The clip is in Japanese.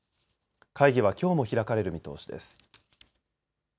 会議はきょうも開かれる見通しです。